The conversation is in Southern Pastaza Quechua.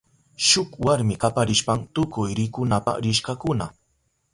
Shuk warmi kaparishpan tukuy rikunapa rishkakuna.